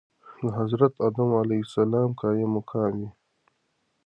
دحضرت ادم عليه السلام قايم مقام وي .